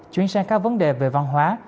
chuyển sang các vấn đề về văn hóa